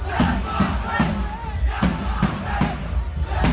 มันอาจจะไม่เอาเห็น